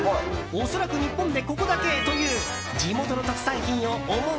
恐らく日本でここだけという地元の特産品を思う